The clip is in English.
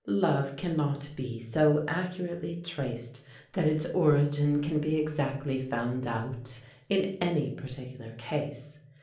Love cannot be so accurately traced that its origin can be exactly found out in any particular case.